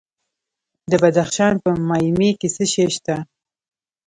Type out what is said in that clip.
د بدخشان په مایمي کې څه شی شته؟